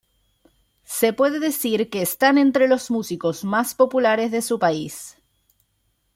Se puede decir que están entre los músicos más populares de su país.